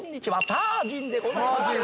タージンでございます。